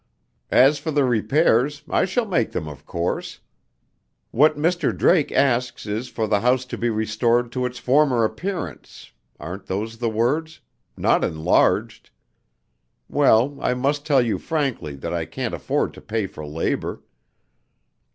"As for the repairs, I shall make them of course. What Mr. Drake asks is for the house to be restored to its former appearance (aren't those the words?) not enlarged. Well, I must tell you frankly that I can't afford to pay for labor.